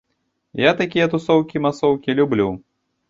Я такія тусоўкі-масоўкі люблю.